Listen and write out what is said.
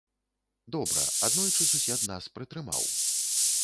Добра, аднойчы сусед нас прытрымаў.